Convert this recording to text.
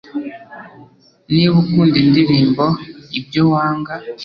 Niba ukunda indirimbo ibyo wanga